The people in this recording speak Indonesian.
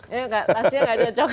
iya gak lansia gak cocok